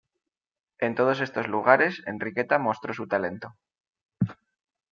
En todos estos lugares, Enriqueta mostró su talento.